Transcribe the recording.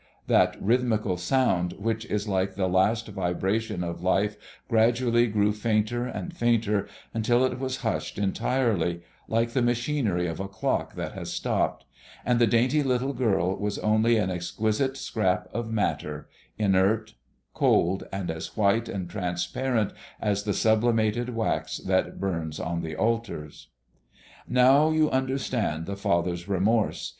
That rhythmical sound which is like the last vibration of life gradually grew fainter and fainter, until it was hushed entirely, like the machinery of a clock that has stopped, and the dainty little girl was only an exquisite scrap of matter, inert, cold, and as white and transparent as the sublimated wax that burns on the altars. Now you understand the father's remorse.